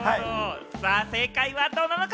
正解はどうなのか？